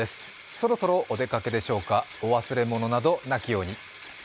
そろそろお出かけでしょうか、お忘れ物などなきように。